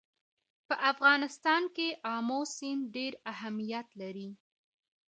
په افغانستان کې آمو سیند ډېر اهمیت لري.